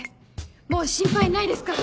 もう心配ないですから。